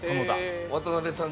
渡邉さん